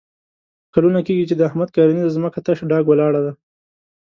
کلونه کېږي چې د احمد کرنیزه ځمکه تش ډاګ ولاړه ده.